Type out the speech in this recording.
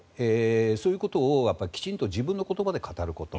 そういうことをきちんと自分の言葉で語ること。